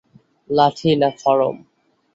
লাঠি, না খড়ম?